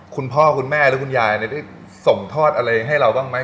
คุณพ่อคุณแม่หรือคุณยายได้ส่งทอดอะไรให้เราบ้างไหม